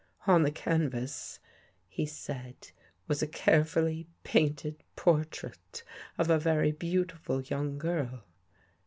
" On the canvas," he said, " was a carefully painted portrait of a very beautiful young girl.